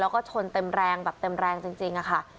แล้วก็ชนเต็มแรงแบบเต็มแรงจริงค่ะ